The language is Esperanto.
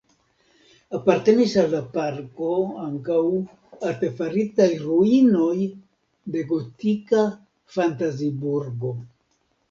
Apartenis al la parko ankaŭ artefaritaj ruinoj de gotika fantaziburgo.